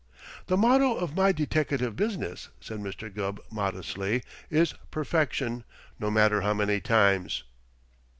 "The motto of my deteckative business," said Mr. Gubb modestly, "is 'Perfection, no matter how many times.'"